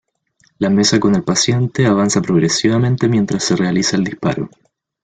La mesa con el paciente avanza progresivamente mientras se realiza el disparo.